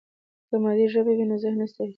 که مادي ژبه وي نو ذهن نه ستړی کېږي.